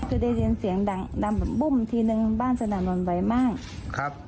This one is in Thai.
คือได้ยินเสียงดังดังแบบบุ้มทีนึงบ้านสนานนทไวมากครับ